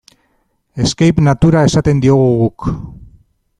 Escape-natura esaten diogu guk.